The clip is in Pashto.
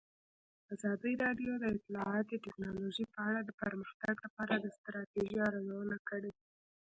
ازادي راډیو د اطلاعاتی تکنالوژي په اړه د پرمختګ لپاره د ستراتیژۍ ارزونه کړې.